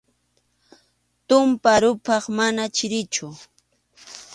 Tumpa ruphaq mana chirichu.